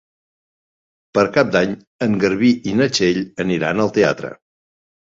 Per Cap d'Any en Garbí i na Txell aniran al teatre.